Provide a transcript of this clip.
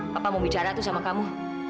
papa mau bicara tuh sama kamu